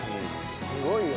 すごいね。